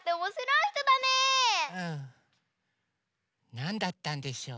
なんだったんでしょう？